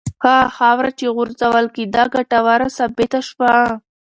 هغه خاوره چې غورځول کېده ګټوره ثابته شوه.